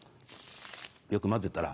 よく交ぜたら。